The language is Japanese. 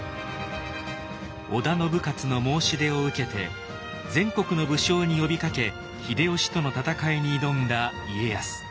織田信雄の申し出を受けて全国の武将に呼びかけ秀吉との戦いに挑んだ家康。